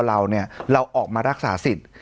เราเนี่ยเราออกมารักษาสิทธิ์